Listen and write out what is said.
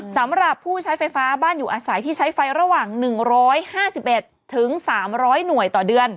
สำหรับผู้ใช้ไฟฟ้าบ้านอยู่อาศัยที่ใช้ไฟระหว่าง๑๕๑๓๐๐หน่วยต่อเดือน